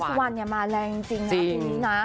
ทาเวสวันเนี่ยมาแรงจริงนะ